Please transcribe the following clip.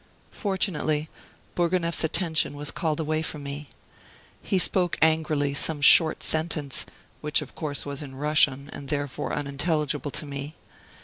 Fortunately Bourgonef's attention was called away from me. He spoke angrily some short sentence, which of course was in Russian, and therefore unintelligible to me.